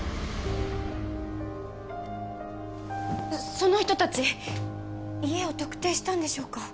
その人たち家を特定したんでしょうか？